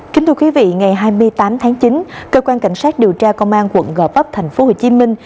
kính thưa quý vị ngày hai mươi tám tháng chín cơ quan cảnh sát điều tra công an quận gò vấp thành phố hồ chí minh